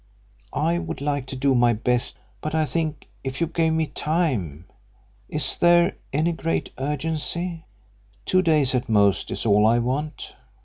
I would like to do my best, but I think if you gave me time Is there any great urgency? Two days at most is all I want."